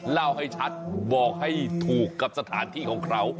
เล่าให้ชัดบอกให้ถูกกับสถานที่ของเขา